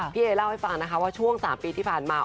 เอเล่าให้ฟังนะคะว่าช่วง๓ปีที่ผ่านมา